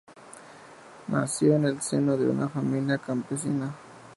Nació en el seno de una familia campesina.